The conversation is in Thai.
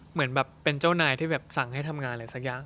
เหมือนแบบเป็นเจ้านายที่แบบสั่งให้ทำงานอะไรสักอย่าง